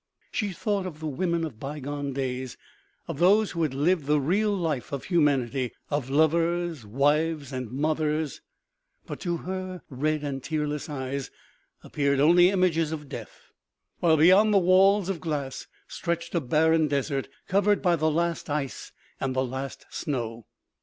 She thought of the woman df bygone days, of those who had lived the real life of humanity, of lovers, wives and mothers, but to her red * and tearless eyes appeared only images of death ; while beyond the walls of glass stretched a barren desert, covered by the last ice and the last snow.